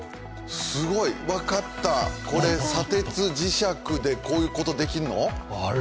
分かった、これ、砂鉄、磁石でこういうことできるの？